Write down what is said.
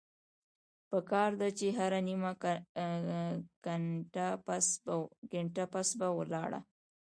پکار ده چې هره نيمه ګنټه پس پۀ ولاړه